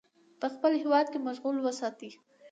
په خپل هیواد کې مشغول وساتي.